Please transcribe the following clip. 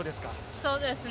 そうですね。